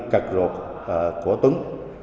cực ruột của tuấn